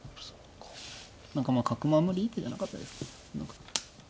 何か角もあんまりいい手じゃなかったですか。